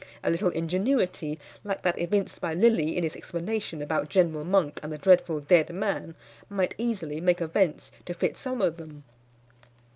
A little ingenuity, like that evinced by Lilly in his explanation about General Monk and the dreadful dead man, might easily make events to fit some of them.